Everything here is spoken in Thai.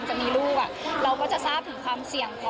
จะมีลูกเราก็จะทราบถึงความเสี่ยงพอ